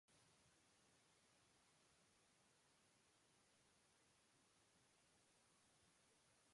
Datozen egunetan, ordea, lanuzteak bi ordukoak izango dira.